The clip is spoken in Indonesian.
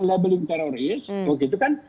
labeling teroris begitu kan